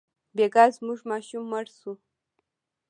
بېګا زموږ ماشوم مړ شو.